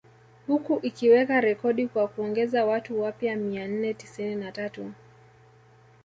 Huku ikiweka rekodi kwa kuongeza watu wapya mia nne tisini na tatu